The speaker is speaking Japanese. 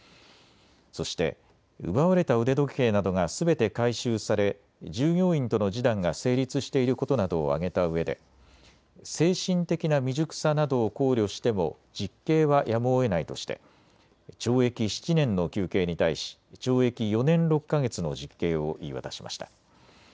そして奪われた腕時計などがすべて回収され従業員との示談が成立していることなどを挙げたうえで精神的な未熟さなどを考慮しても実刑はやむをえないとして懲役７年の求刑に対し懲役４年６か月の実刑を言い渡しました。